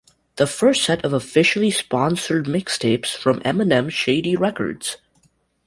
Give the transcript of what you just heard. The first set of officially sponsored mixtapes from Eminem's Shady Records.